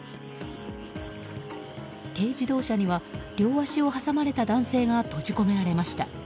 軽自動車には両足を挟まれた男性が閉じ込められました。